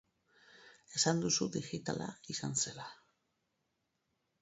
Esan duzu digitala izan zela.